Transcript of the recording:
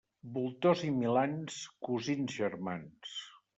Voltors i milans, cosins germans.